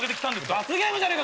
罰ゲームじゃねえか！